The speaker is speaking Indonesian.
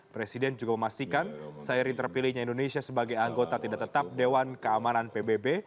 presiden juga memastikan seiring terpilihnya indonesia sebagai anggota tidak tetap dewan keamanan pbb